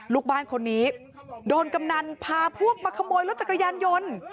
ลูกบ้านคนนี้โดนกำนันพาพวกมาขโมยรถจักรยานยนต์